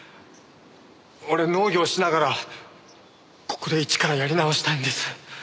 俺農業しながらここで一からやり直したいんです。